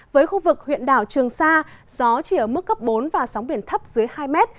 với khu vực huyện đảo trường sa gió chỉ ở mức cấp bốn và sóng biển thấp dưới hai mét